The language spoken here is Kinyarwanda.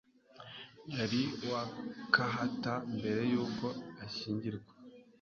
Yari Wakahata mbere yuko ashyingirwa.